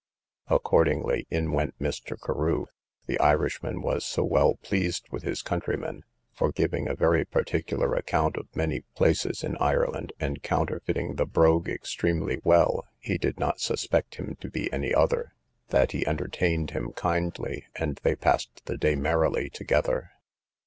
Accordingly in went Mr. Carew: the Irishman was so well pleased with his countryman, (for, giving a very particular account of many places in Ireland, and counterfeiting the brogue extremely well, he did not suspect him to be any other,) that he entertained him kindly, and they passed the day merrily together.